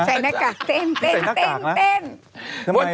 ใส่หน้ากากเต้น